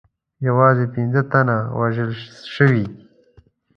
یوازې پنځه تنه وژل سوي.